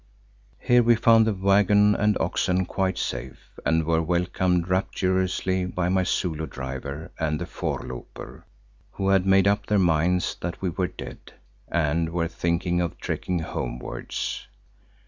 Here we found the waggon and oxen quite safe and were welcomed rapturously by my Zulu driver and the voorlooper, who had made up their minds that we were dead and were thinking of trekking homewards.